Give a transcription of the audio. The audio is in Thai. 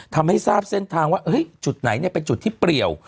ทำให้ทราบเส้นทางว่าจุดไหนเป็นจุดที่เปรียว